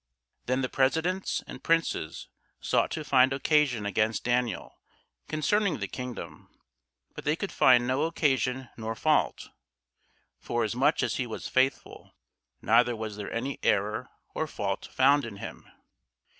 Then the presidents and princes sought to find occasion against Daniel concerning the kingdom; but they could find none occasion nor fault; forasmuch as he was faithful, neither was there any error or fault found in him.